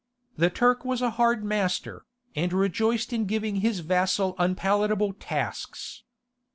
The Turk was a hard master, and rejoiced in giving his vassal unpalatable tasks.